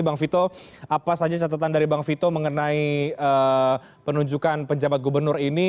bang vito apa saja catatan dari bang vito mengenai penunjukan penjabat gubernur ini